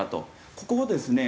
ここをですね